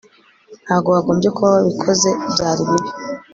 Ntabwo wagombye kuba wabikoze Byari bibi